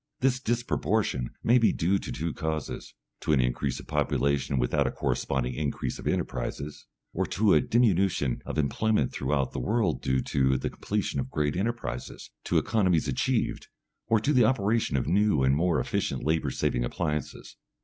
This disproportion may be due to two causes: to an increase of population without a corresponding increase of enterprises, or to a diminution of employment throughout the world due to the completion of great enterprises, to economies achieved, or to the operation of new and more efficient labour saving appliances.